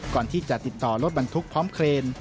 ก่อนที่จะติดต่อรถบรรทุกพร้อมเครน